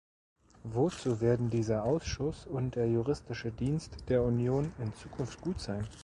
Wozu werden dieser Ausschuss und der Juristische Dienst der Union in Zukunft gut sein?